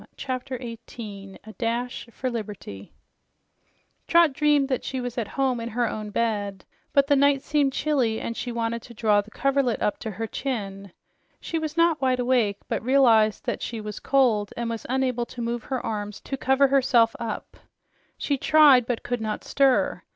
CHAPTER 18 A DASH FOR LIBERTY Trot dreamed that she was at home in her own bed, but the night seemed chilly and she wanted to draw the coverlet up to her chin. She was not wide awake, but realized that she was cold and unable to move her arms to cover herself up. She tried, but could not stir.